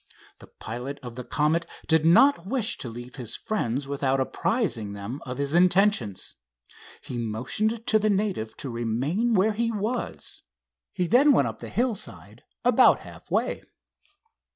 The pilot of the Comet did not wish to leave his friends without apprising them of his intentions. He motioned to the native to remain where he was. He then went up the hillside about half way.